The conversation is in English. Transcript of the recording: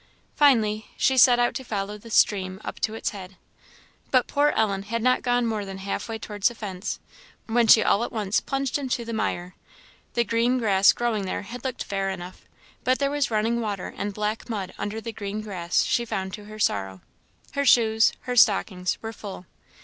Finally, she set out to follow the stream up to its head. But poor Ellen had not gone more than half way towards the fence, when she all at once plunged into the mire. The green grass growing there had looked fair enough, but there was running water and black mud under the green grass, she found to her sorrow. Her shoes, her stockings, were full.